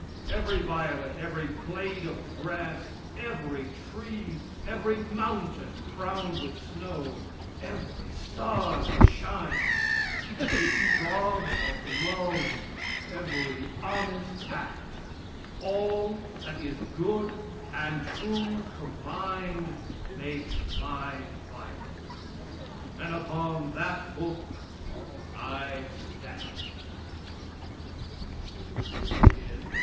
Every violet, every blade of grass, every tree, every mountain crowned with snow, every star that shines, every throb of love, every honest act, all that is good and true combined, make my bible; and upon that book I stand.